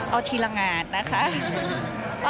เอาทีละงานนะคะ